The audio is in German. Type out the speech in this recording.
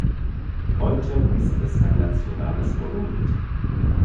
Heute ist es ein nationales Monument.